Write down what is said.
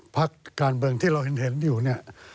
พักการเมืองที่เราเห็นอยู่เนี่ย